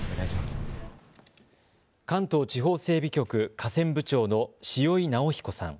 関東地方整備局河川部長の塩井直彦さん。